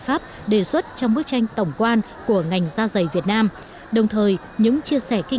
pháp đề xuất trong bức tranh tổng quan của ngành da giày việt nam đồng thời những chia sẻ kinh